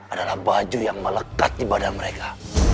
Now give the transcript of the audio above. adalah baju yang melekat di badan mereka